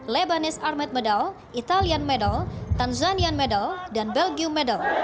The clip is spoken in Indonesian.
lebanes armat medal italian medal tanzanian medal dan belgium medal